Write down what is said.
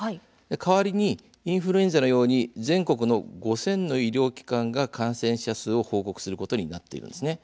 代わりにインフルエンザのように全国の５０００の医療機関が感染者数を報告することになっています。